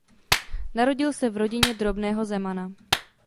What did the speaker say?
Narodil se v rodině drobného zemana.